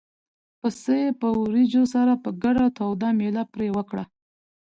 پسه یې په وریجو سره په ګډه توده مېله پرې وکړه.